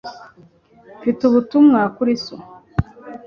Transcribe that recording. Mfite ubutumwa kuri so.